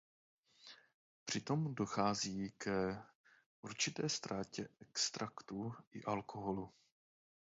Přitom dochází ke určité ztrátě extraktu i alkoholu.